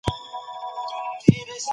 شاه محمود د اصفهان د نیولو لپاره حرکت کوي.